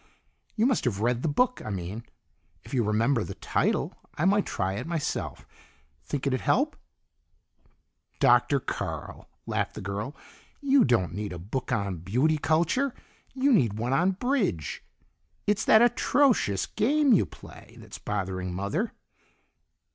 "You must have read the book, I mean. If you remember the title, I might try it myself. Think it'd help?" "Dr. Carl," laughed the girl, "you don't need a book on beauty culture you need one on bridge! It's that atrocious game you play that's bothering Mother."